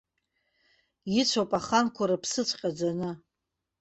Ицәоуп аханқәа рыԥсыҵәҟьа ӡаны.